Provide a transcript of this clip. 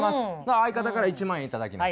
相方から１万円頂きます。